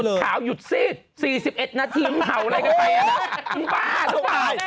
เบรคละ๓นาทีแล้วหลังจากนี้